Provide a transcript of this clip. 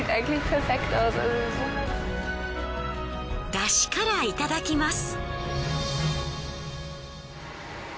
出汁からいただきます。